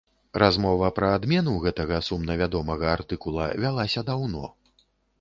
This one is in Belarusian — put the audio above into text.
Размова пра адмену гэтага сумнавядомага артыкула вялася даўно.